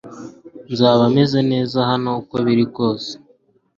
Nzaba meze neza hano uko biri kose